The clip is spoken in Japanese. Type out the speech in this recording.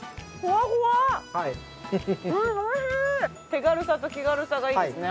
手軽さと気軽さがいいですね。